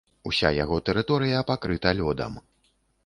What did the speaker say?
Уся яго тэрыторыя пакрыта лёдам.